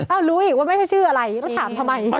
รู้อีกว่าไม่ใช่ชื่ออะไรแล้วถามทำไม